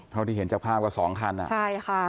เท่าที่เห็นจากภาพก็สองคันอ่ะใช่ค่ะ